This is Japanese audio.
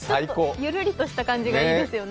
ゆるりとした感じがいいですよね。